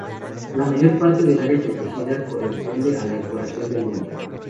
La mayor parte del área protegida corresponde a la ecorregión del monte.